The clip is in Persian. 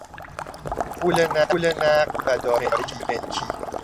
پول نقد و دارایی ملکی